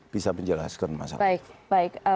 bisa menjelaskan masalah itu